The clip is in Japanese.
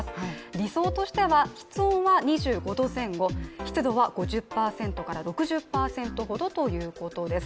理想としては室温は２５度前後、湿度は５０６０％ほどということです。